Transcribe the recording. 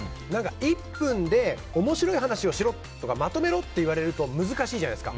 １分で面白い話をしろとかまとめろって言われると難しいじゃないですか。